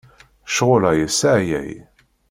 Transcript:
Ccɣel-a yesseɛyay.